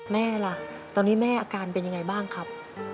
แม่ล่ะตอนนี้แม่อาการเป็นยังไงบ้างครับ